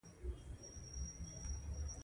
پاڅون د اېس ایس یوه پخواني مامور طرح کړی دی